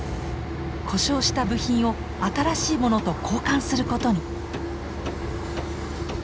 故障した部品を新しいものと交換することに。